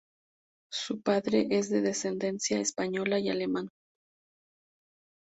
Su padre es de descendencia española y alemán.